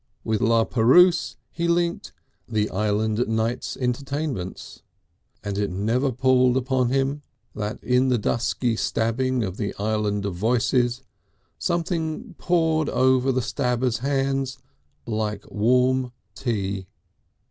With La Perouse he linked "The Island Nights Entertainments," and it never palled upon him that in the dusky stabbing of the "Island of Voices" something poured over the stabber's hands "like warm tea."